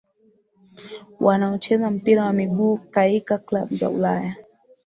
wanaocheza mpira wa miguu kaika klabu za Ulaya